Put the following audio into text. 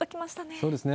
そうですね。